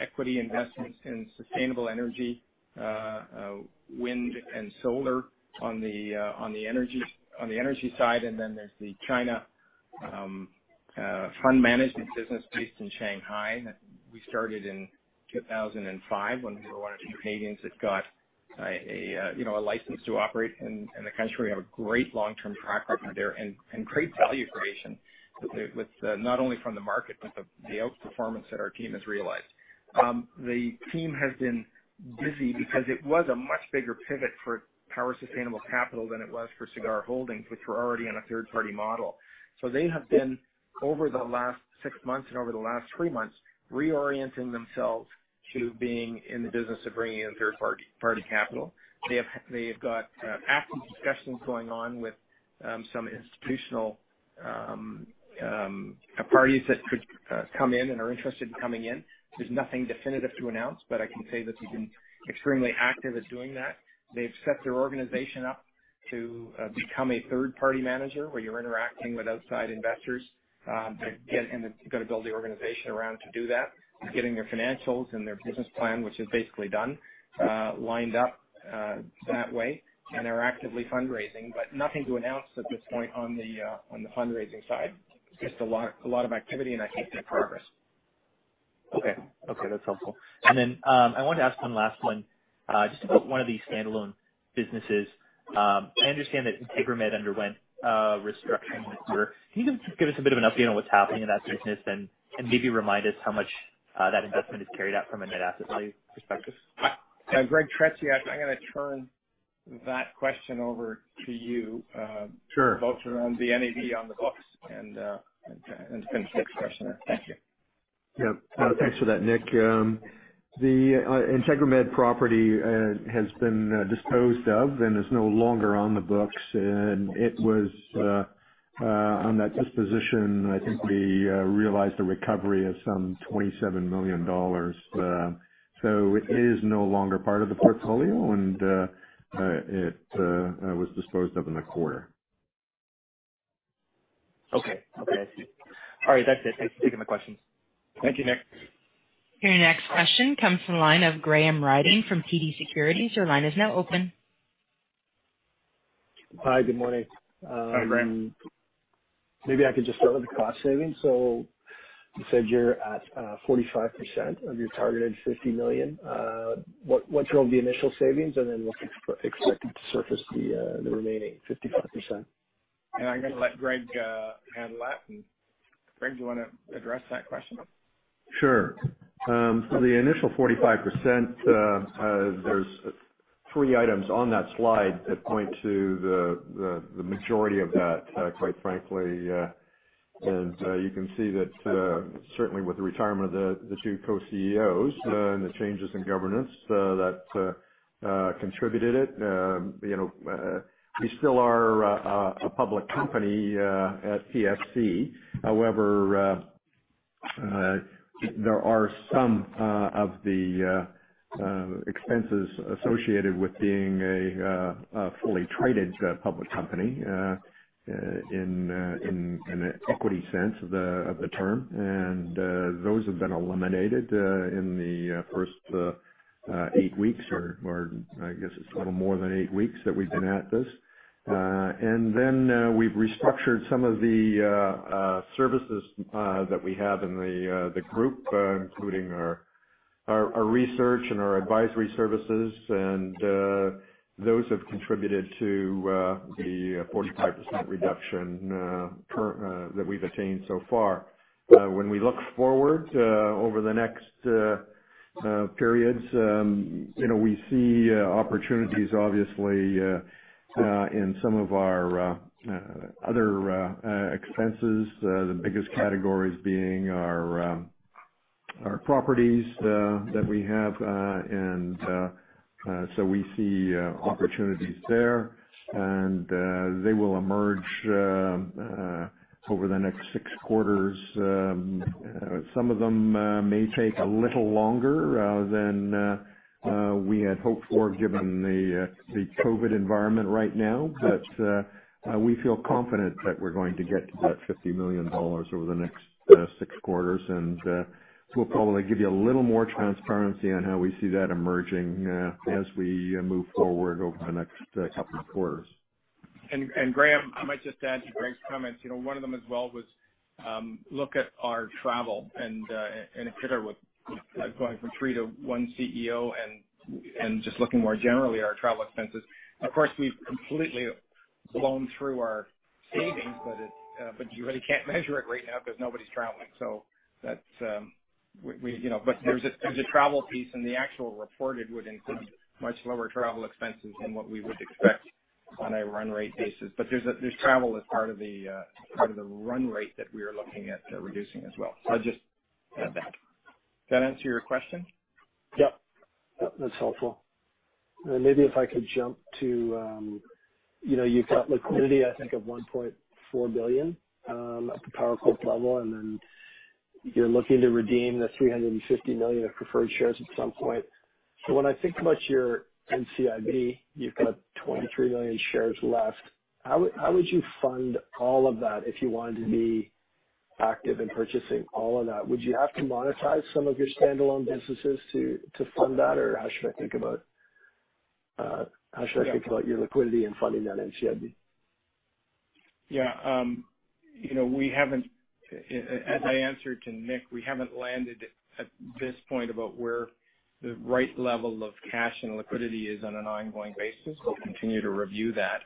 equity investments in sustainable energy, wind, and solar on the energy side. And then there's the China fund management business based in Shanghai. We started in 2005 when we were one of the Canadians that got a license to operate. And the company has a great long-term track record there and great value creation not only from the market but the outperformance that our team has realized. The team has been busy because it was a much bigger pivot for Power Sustainable Capital than it was for Sagard Holdings, which were already on a third-party model. So they have been, over the last six months and over the last three months, reorienting themselves to being in the business of bringing in third-party capital. They have got active discussions going on with some institutional parties that could come in and are interested in coming in. There's nothing definitive to announce, but I can say that they've been extremely active at doing that. They've set their organization up to become a third-party manager where you're interacting with outside investors and they're going to build the organization around to do that, getting their financials and their business plan, which is basically done, lined up that way, and they're actively fundraising, but nothing to announce at this point on the fundraising side. Just a lot of activity and I think good progress. Okay. Okay. That's helpful. And then I wanted to ask one last one just about one of these standalone businesses. I understand that IntegraMed underwent restructuring this year. Can you give us a bit of an update on what's happening in that business and maybe remind us how much that investment is carried out from a net asset value perspective? Greg Tretiak, I'm going to turn that question over to you to walk around the NAV on the books and finish the next question there. Thank you. Yeah. Thanks for that, Nik. The IntegraMed property has been disposed of and is no longer on the books, and it was on that disposition, I think we realized a recovery of some 27 million dollars, so it is no longer part of the portfolio, and it was disposed of in the quarter. Okay. Okay. I see. All right. That's it. Thanks for taking my questions. Thank you, Nik. Your next question comes from the line of Graham Ryding from TD Securities. Your line is now open. Hi. Good morning. Hi, Graham. Maybe I could just start with the cost savings. So you said you're at 45% of your targeted 50 million. What's your initial savings? And then we'll expect it to surface the remaining 55%. I'm going to let Greg handle that. Greg, do you want to address that question? Sure. So the initial 45%, there's three items on that slide that point to the majority of that, quite frankly. And you can see that certainly with the retirement of the three co-CEOs and the changes in governance that contributed it. We still are a public company at PCC. However, there are some of the expenses associated with being a fully traded public company in an equity sense of the term. And those have been eliminated in the first eight weeks or I guess it's a little more than eight weeks that we've been at this. And then we've restructured some of the services that we have in the group, including our research and our advisory services. And those have contributed to the 45% reduction that we've attained so far. When we look forward over the next periods, we see opportunities, obviously, in some of our other expenses, the biggest categories being our properties that we have. And so we see opportunities there. And they will emerge over the next six quarters. Some of them may take a little longer than we had hoped for given the COVID environment right now. But we feel confident that we're going to get to that 50 million dollars over the next six quarters. And we'll probably give you a little more transparency on how we see that emerging as we move forward over the next couple of quarters. Graham, I might just add to Greg's comments. One of them as well was look at our travel. And IntegraMed was going from three to one CEO and just looking more generally at our travel expenses. Of course, we've completely blown through our savings, but you really can't measure it right now because nobody's traveling. So there's a travel piece. And the actual reported would include much lower travel expenses than what we would expect on a run rate basis. But there's travel as part of the run rate that we are looking at reducing as well. So I'll just add that. Does that answer your question? Yep. Yep. That's helpful. And maybe if I could jump to, you've got liquidity, I think, of 1.4 billion at the Power Corp level. And then you're looking to redeem the 350 million of preferred shares at some point. So when I think about your NCIB, you've got 23 million shares left. How would you fund all of that if you wanted to be active in purchasing all of that? Would you have to monetize some of your standalone businesses to fund that? Or how should I think about your liquidity and funding that NCIB? Yeah. As I answered to Nik, we haven't landed at this point about where the right level of cash and liquidity is on an ongoing basis. We'll continue to review that.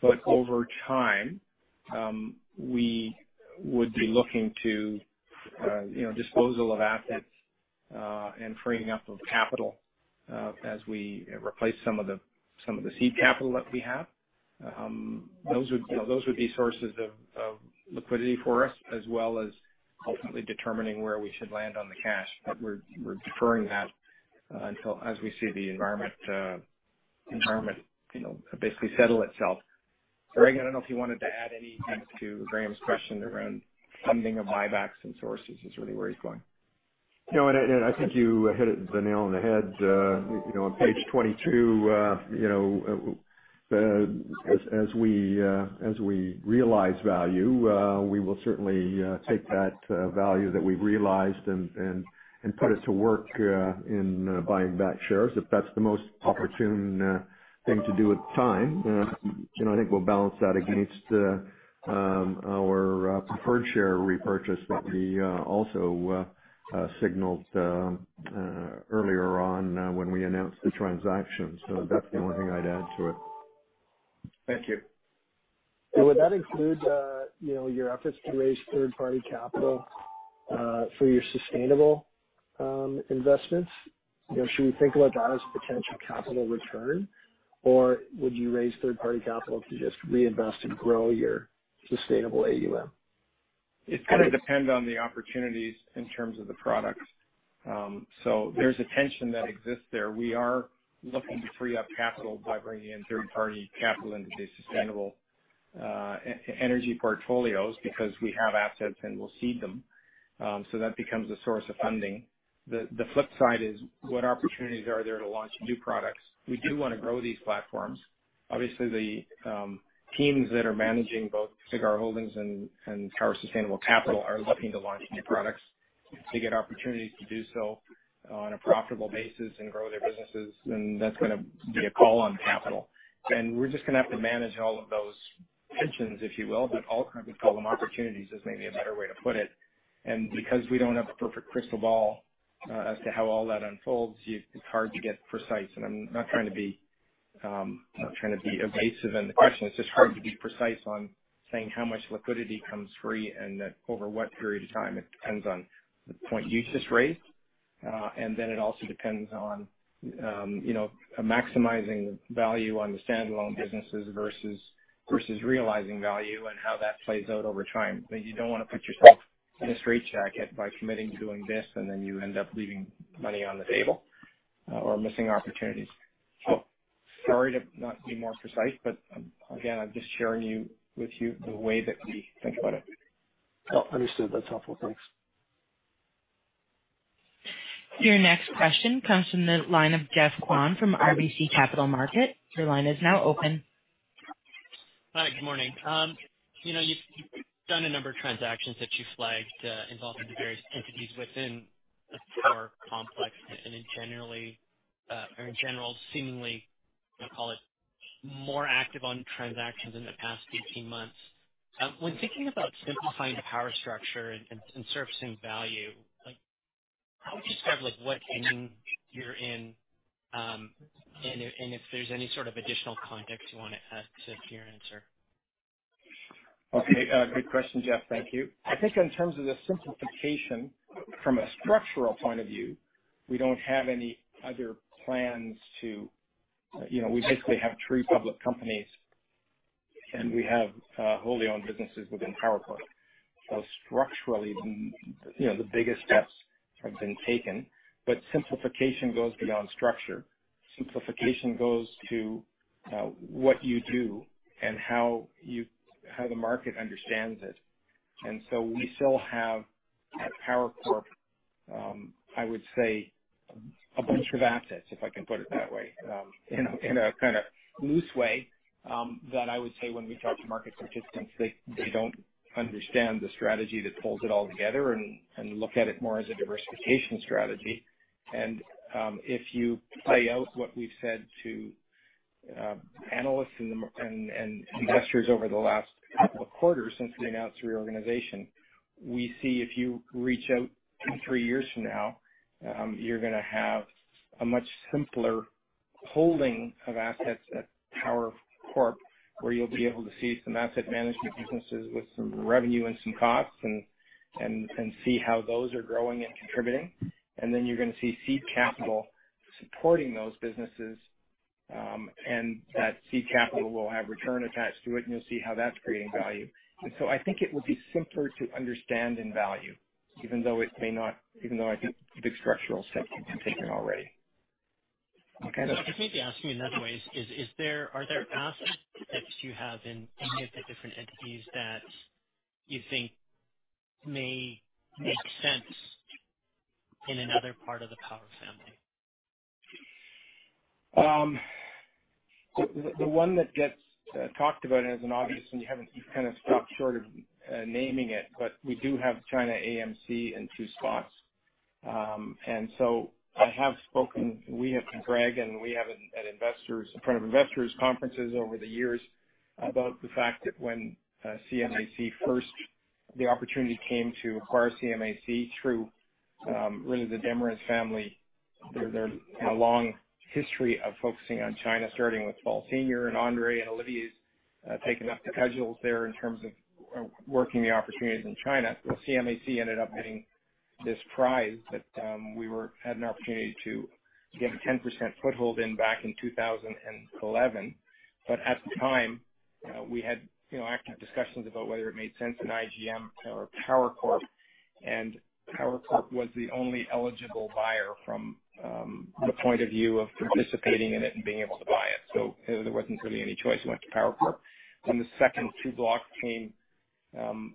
But over time, we would be looking to disposal of assets and freeing up of capital as we replace some of the seed capital that we have. Those would be sources of liquidity for us as well as ultimately determining where we should land on the cash. But we're deferring that until as we see the environment basically settle itself. Greg, I don't know if you wanted to add anything to Graham's question around funding of buybacks and sources is really where he's going. Yeah, and I think you hit the nail on the head. On page 22, as we realize value, we will certainly take that value that we've realized and put it to work in buying back shares if that's the most opportune thing to do at the time. I think we'll balance that against our preferred share repurchase that we also signaled earlier on when we announced the transaction, so that's the only thing I'd add to it. Thank you. Would that include your efforts to raise third-party capital for your sustainable investments? Should we think about that as a potential capital return? Or would you raise third-party capital to just reinvest and grow your sustainable AUM? It's going to depend on the opportunities in terms of the products. So there's a tension that exists there. We are looking to free up capital by bringing in third-party capital into these sustainable energy portfolios because we have assets and we'll seed them. So that becomes a source of funding. The flip side is what opportunities are there to launch new products? We do want to grow these platforms. Obviously, the teams that are managing both Sagard Holdings and Power Sustainable Capital are looking to launch new products to get opportunities to do so on a profitable basis and grow their businesses. And that's going to be a call on capital. And we're just going to have to manage all of those tensions, if you will, but we call them opportunities is maybe a better way to put it. Because we don't have a perfect crystal ball as to how all that unfolds, it's hard to get precise. I'm not trying to be evasive in the question. It's just hard to be precise on saying how much liquidity comes free and over what period of time. It depends on the point you just raised, and then it also depends on maximizing value on the standalone businesses versus realizing value and how that plays out over time. You don't want to put yourself in a straitjacket by committing to doing this and then you end up leaving money on the table or missing opportunities. Sorry to not be more precise, but again, I'm just sharing with you the way that we think about it. Oh, understood. That's helpful. Thanks. Your next question comes from the line of Geoff Kwan from RBC Capital Markets. Your line is now open. Hi. Good morning. You've done a number of transactions that you flagged involving the various entities within the Power complex. And in general, seemingly, I'll call it more active on transactions in the past 18 months. When thinking about simplifying the Power structure and surfacing value, how would you describe what endgame you're in? And if there's any sort of additional context you want to add to your answer? Okay. Good question, Geoff. Thank you. I think in terms of the simplification, from a structural point of view, we don't have any other plans, too. We basically have three public companies, and we have wholly owned businesses within Power Corp. So structurally, the biggest steps have been taken, but simplification goes beyond structure. Simplification goes to what you do and how the market understands it. So we still have at Power Corp, I would say, a bunch of assets, if I can put it that way, in a kind of loose way, that I would say when we talk to market participants, they don't understand the strategy that pulls it all together and look at it more as a diversification strategy. If you play out what we've said to analysts and investors over the last couple of quarters since we announced reorganization, we see if you reach out three years from now, you're going to have a much simpler holding of assets at Power Corp where you'll be able to see some asset management businesses with some revenue and some costs and see how those are growing and contributing. And then you're going to see seed capital supporting those businesses. And that seed capital will have return attached to it. And you'll see how that's creating value. And so I think it would be simpler to understand in value, even though it may not, I think big structural steps have been taken already. Okay? If you may be asking me in another way, are there assets that you have in any of the different entities that you think may make sense in another part of the Power family? The one that gets talked about as an obvious one, you kind of stopped short of naming it. But we do have China AMC in two spots. And so I have spoken, we have been, Greg, and we have at investors' conferences over the years about the fact that when China AMC first, the opportunity came to acquire China AMC through really the Desmarais family. There's a long history of focusing on China, starting with Paul Desmarais Senior and André and Olivier's taking up the cudgels there in terms of working the opportunities in China. Well, China AMC ended up getting this prize that we had an opportunity to get a 10% foothold in back in 2011. But at the time, we had active discussions about whether it made sense in IGM or Power Corp. And Power Corp was the only eligible buyer from the point of view of participating in it and being able to buy it. So there wasn't really any choice. We went to Power Corp. When the second two blocks came,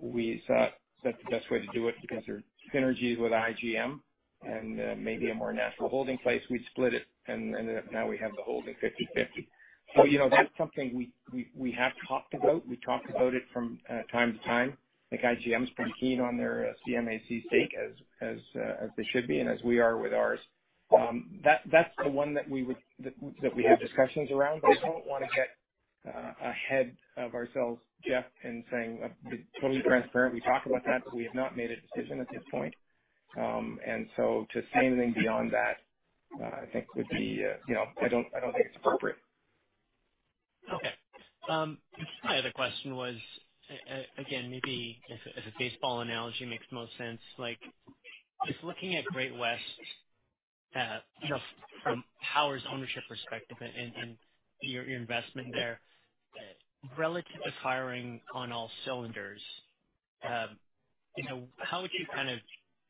we thought that the best way to do it because there are synergies with IGM and maybe a more natural holding place, we'd split it. And now we have the holding 50/50. So that's something we have talked about. We talked about it from time to time. I think IGM is pretty keen on their China AMC stake as they should be and as we are with ours. That's the one that we have discussions around. But I don't want to get ahead of ourselves, Geoff, in saying I'll be totally transparent. We talked about that, but we have not made a decision at this point. And so to say anything beyond that, I think, would be. I don't think it's appropriate. Okay. My other question was, again, maybe if a baseball analogy makes most sense, just looking at Great-West just from Power's ownership perspective and your investment there, relative to firing on all cylinders, how would you kind of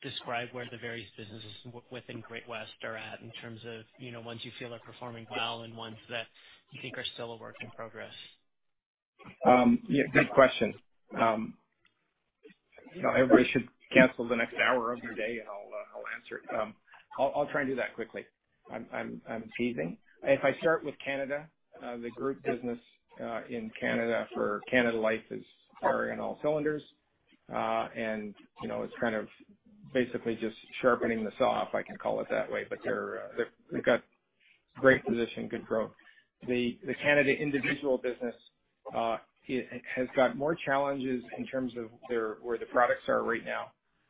describe where the various businesses within Great-West are at in terms of ones you feel are performing well and ones that you think are still a work in progress? Yeah. Good question. Everybody should cancel the next hour of your day, and I'll answer it. I'll try and do that quickly. I'm teasing. If I start with Canada, the group business in Canada for Canada Life is firing on all cylinders. And it's kind of basically just sharpening the saw, if I can call it that way. But they've got great position, good growth. The Canada individual business has got more challenges in terms of where the products are right now.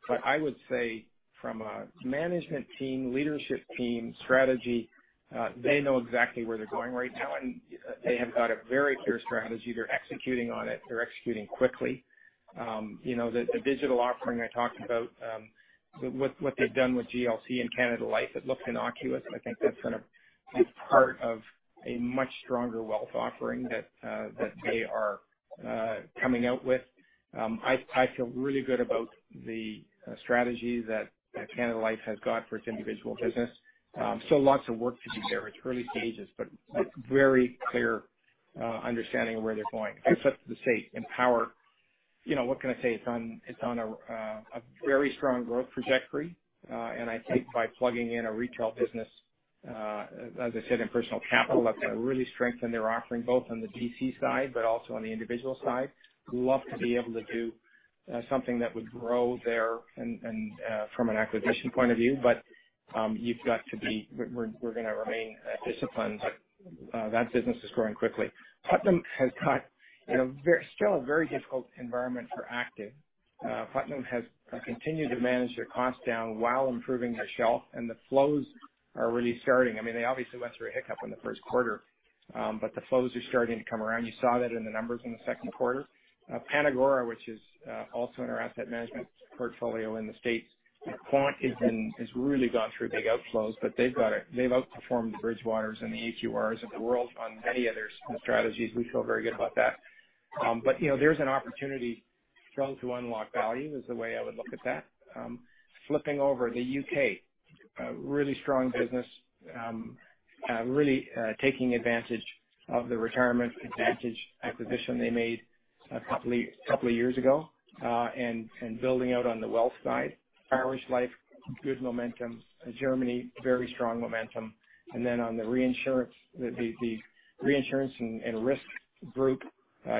But I would say from a management team, leadership team, strategy, they know exactly where they're going right now. And they have got a very clear strategy. They're executing on it. They're executing quickly. The digital offering I talked about, what they've done with GLC and Canada Life, it looks innocuous. I think that's going to be part of a much stronger wealth offering that they are coming out with. I feel really good about the strategy that Canada Life has got for its individual business. Still lots of work to do there. It's early stages, but very clear understanding of where they're going. If I flip to Great-West Empower, what can I say? It's on a very strong growth trajectory. And I think by plugging in a retail business, as I said, and Personal Capital, that's going to really strengthen their offering both on the DC side but also on the individual side. Love to be able to do something that would grow there from an acquisition point of view. But you've got to be. We're going to remain disciplined. That business is growing quickly. Putnam has got still a very difficult environment for active. Putnam has continued to manage their costs down while improving their health. The flows are really starting. I mean, they obviously went through a hiccup in the first quarter, but the flows are starting to come around. You saw that in the numbers in the second quarter. PanAgora, which is also in our asset management portfolio in the States, quant has really gone through big outflows. But they've outperformed the Bridgewaters and the AQRs of the world on many of their strategies. We feel very good about that. But there's an opportunity still to unlock value is the way I would look at that. Flipping over the U.K., really strong business, really taking advantage of the Retirement Advantage acquisition they made a couple of years ago and building out on the wealth side. Irish Life, good momentum. Germany, very strong momentum. On the reinsurance, the reinsurance and risk group,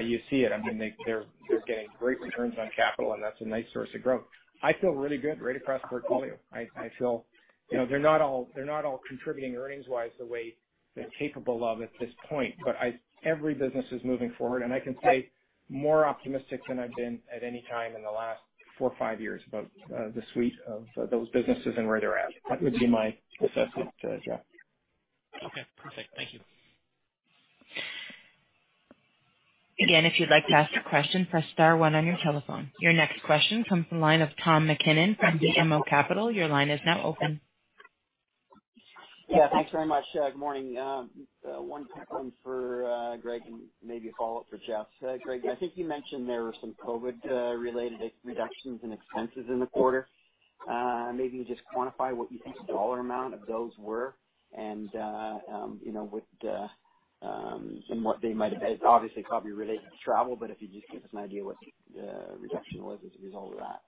you see it. I mean, they're getting great returns on capital. That's a nice source of growth. I feel really good right across portfolio. I feel they're not all contributing earnings-wise the way they're capable of at this point. Every business is moving forward. I can say more optimistic than I've been at any time in the last four, five years about the suite of those businesses and where they're at. That would be my assessment, Geoff. Okay. Perfect. Thank you. Again, if you'd like to ask a question, press star one on your telephone. Your next question comes from the line of Tom MacKinnon from BMO Capital Markets. Your line is now open. Yeah. Thanks very much. Good morning. One quick one for Greg and maybe a follow-up for Jeff. Greg, I think you mentioned there were some COVID-related reductions in expenses in the quarter. Maybe you just quantify what you think the dollar amount of those were and what they might have been. It's obviously probably related to travel, but if you just give us an idea what the reduction was as a result of that.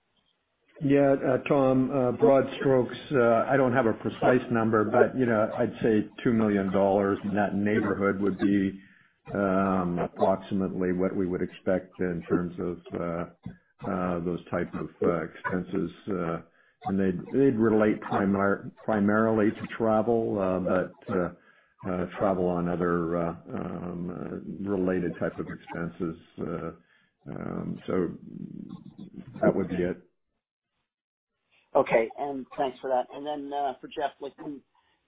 Yeah. Tom, broad strokes, I don't have a precise number, but I'd say 2 million dollars in that neighborhood would be approximately what we would expect in terms of those types of expenses. They'd relate primarily to travel, but travel on other related types of expenses. So that would be it. Okay. And thanks for that. And then for Jeff,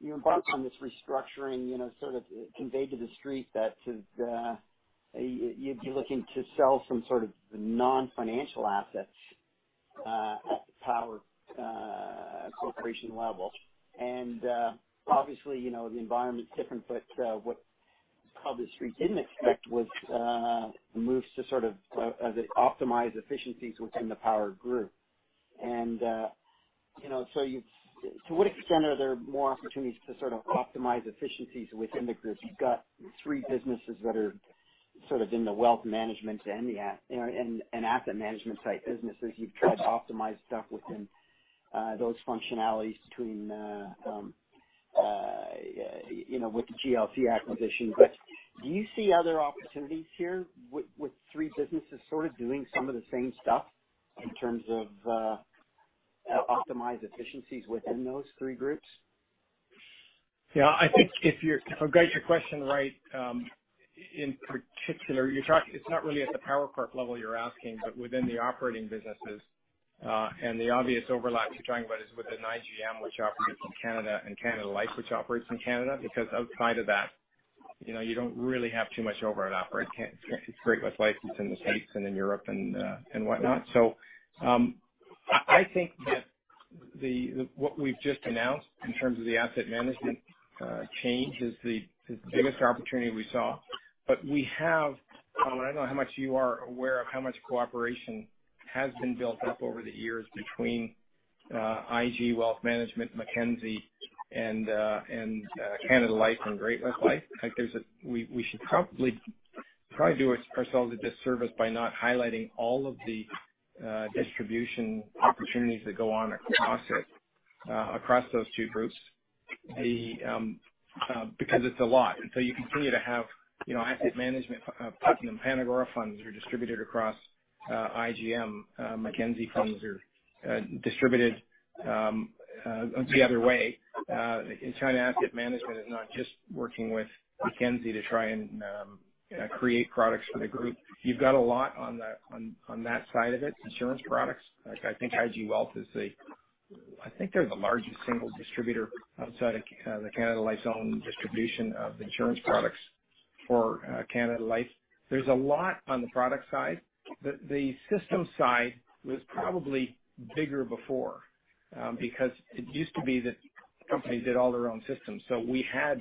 you embarked on this restructuring sort of conveyed to the street that you'd be looking to sell some sort of non-financial assets at the Power Corp level. And obviously, the environment's different. But what probably the street didn't expect was moves to sort of optimize efficiencies within the Power group. And so to what extent are there more opportunities to sort of optimize efficiencies within the group? You've got three businesses that are sort of in the wealth management and asset management type businesses. You've tried to optimize stuff within those functionalities between with the GLC acquisition. But do you see other opportunities here with three businesses sort of doing some of the same stuff in terms of optimized efficiencies within those three groups? Yeah. I think if I've got your question right in particular, it's not really at the Power Corp level you're asking, but within the operating businesses. The obvious overlap you're talking about is within IGM, which operates in Canada, and Canada Life, which operates in Canada. Because outside of that, you don't really have too much overlap right now. It's Great-West Life. It's in the States and in Europe and whatnot. So I think that what we've just announced in terms of the asset management change is the biggest opportunity we saw. But we have, and I don't know how much you are aware of how much cooperation has been built up over the years between IG Wealth Management, Mackenzie, and Canada Life and Great-West Life. We should probably do ourselves a disservice by not highlighting all of the distribution opportunities that go on across those two groups because it's a lot. And so you continue to have asset management funds and PanAgora funds are distributed across IGM. Mackenzie funds are distributed the other way. China Asset Management is not just working with Mackenzie to try and create products for the group. You've got a lot on that side of it, insurance products. I think IG Wealth is the—I think they're the largest single distributor outside of the Canada Life's own distribution of insurance products for Canada Life. There's a lot on the product side. The system side was probably bigger before because it used to be that companies did all their own systems. So we had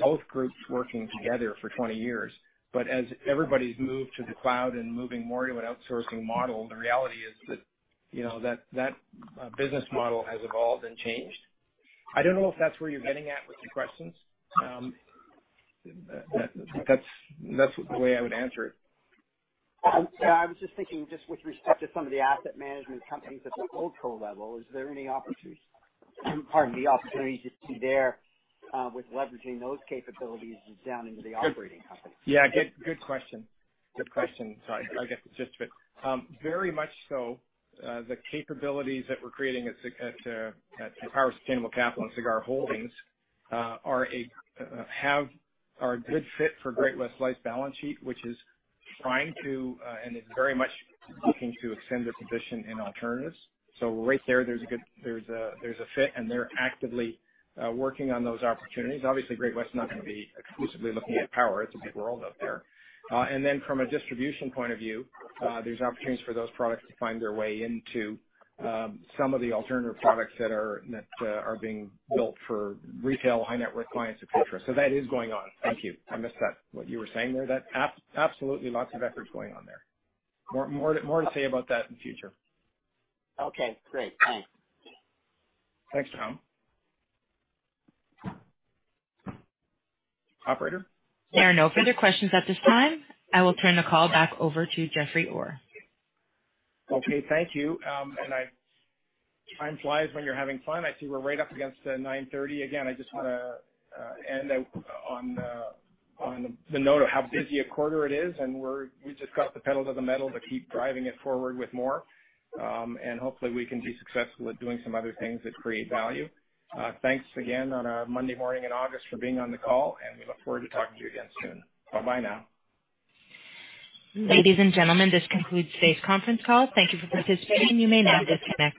both groups working together for 20 years. But as everybody's moved to the cloud and moving more to an outsourcing model, the reality is that that business model has evolved and changed. I don't know if that's where you're getting at with your questions. That's the way I would answer it. Yeah. I was just thinking just with respect to some of the asset management companies at the Holdco level, is there any opportunity, pardon me, opportunity to see there with leveraging those capabilities down into the operating companies? Yeah. Good question. Good question. Sorry. I'll get to it in just a bit. Very much so. The capabilities that we're creating at Power Sustainable Capital and Sagard Holdings are a good fit for Great-West Life's balance sheet, which is trying to—and it's very much looking to extend their position in alternatives. So right there, there's a fit. And they're actively working on those opportunities. Obviously, Great-West Life is not going to be exclusively looking at Power. It's a big world out there. And then from a distribution point of view, there's opportunities for those products to find their way into some of the alternative products that are being built for retail, high-net-worth clients, etc. So that is going on. Thank you. I missed that, what you were saying there. Absolutely. Lots of efforts going on there. More to say about that in the future. Okay. Great. Thanks. Thanks, Tom. Operator? There are no further questions at this time. I will turn the call back over to Jeffrey Orr. Okay. Thank you. And time flies when you're having fun. I see we're right up against 9:30 A.M. Again, I just want to end on the note of how busy a quarter it is. And we just got the pedal to the metal to keep driving it forward with more. And hopefully, we can be successful at doing some other things that create value. Thanks again on a Monday morning in August for being on the call. And we look forward to talking to you again soon. Bye-bye now. Ladies and gentlemen, this concludes today's conference call. Thank you for participating. You may now disconnect.